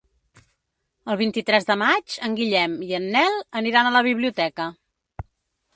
El vint-i-tres de maig en Guillem i en Nel aniran a la biblioteca.